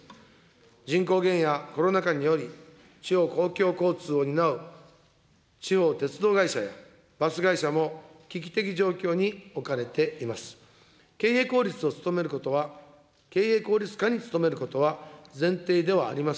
人口減やコロナ禍により、地方公共交通を担う地方鉄道会社や、バス会社も危機的状況に置かれています。